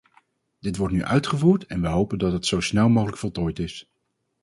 Dit wordt nu uitgevoerd en wij hopen dat het zo snel mogelijk voltooid is.